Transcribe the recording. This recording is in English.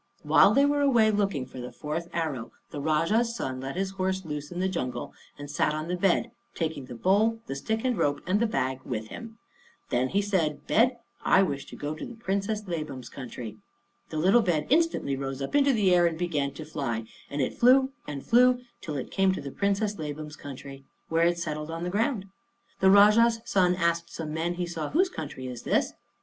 While they were away looking for the fourth arrow the Rajah's son let his horse loose in the jungle and sat on the bed, taking the bowl, the stick and rope, and the bag with him. Then he said, "Bed, I wish to go to the Princess Labam's country." The little bed instantly rose up into the air and began to fly, and it flew and flew till it came to the Princess Labam's country, where it settled on the ground. The Rajah's son asked some men he saw, "Whose country is this?"